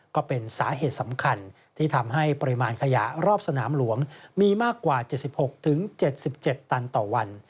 ก็เป็นสาเหตุสำคัญที่ทำให้ปริมาณขยะรอบสนามหลวงมีมากกว่า๗๖๗๗ตันต่อวัน